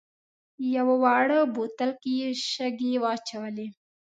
یوه واړه بوتل کې یې شګې واچولې.